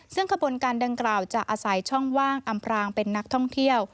ซึ่งขบวนการดังกล่าวจะอาศัยช่องว่างอำพรางเป็นนักท่องเที่ยว